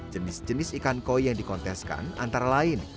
jenis jenis ikan koi yang dikonteskan antara lain